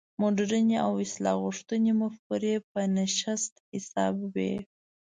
مډرنې او اصلاح غوښتونکې مفکورې په نشت حساب وې.